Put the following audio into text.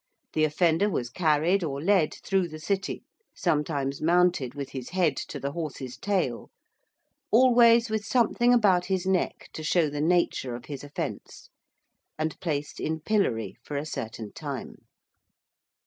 The offender was carried or led through the City sometimes mounted with his head to the horse's tail always with something about his neck to show the nature of his offence, and placed in pillory for a certain time.